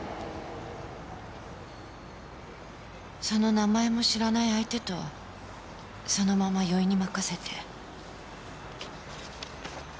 その名前も知らない相手とそのまま酔いに任せて。